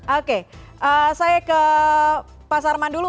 oke saya ke pak sarman dulu